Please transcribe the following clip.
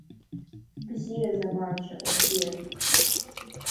Убзиаз, амарџьа, убзиаз!